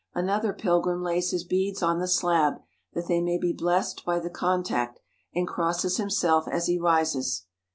Another pilgrim lays his beads on the slab, that they may be blessed by the contact, and crosses himself as he rises.